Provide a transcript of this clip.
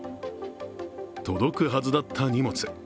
届くはずだった荷物。